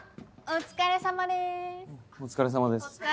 お疲れさまです。